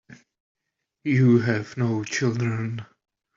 You have no children.